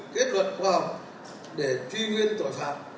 kết luận khoa học để truy nguyên tội phạm